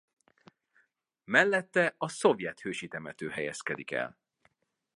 Mellette a szovjet hősi temető helyezkedik el.